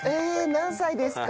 何歳ですか？